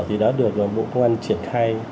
thì đã được một công an triển khai